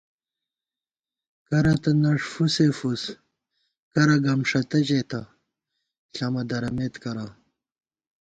کرہ تہ نݭ فُسے فُس کرہ گمݭتہ ژېتہ ݪَمہ درَمېت کرہ